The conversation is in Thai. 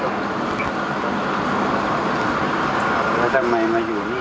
ครับครับครับ